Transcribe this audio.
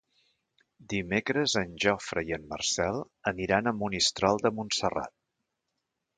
Dimecres en Jofre i en Marcel aniran a Monistrol de Montserrat.